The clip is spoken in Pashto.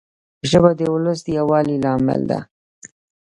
ژبه د ولس د یووالي لامل ده